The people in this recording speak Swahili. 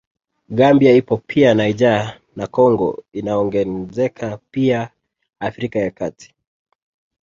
Gambia ipo pia Niger na Congo inaongenzeka pia Afrika ya Kati